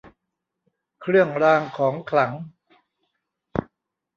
เครื่องรางของขลัง